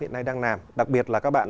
hiện nay đang làm đặc biệt là các bạn